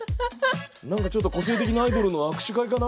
何かちょっと個性的なアイドルの握手会かな？